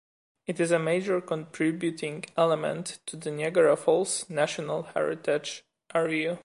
It is a major contributing element to the Niagara Falls National Heritage Area.